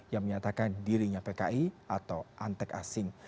yang menyatakan dirinya pki atau antek asing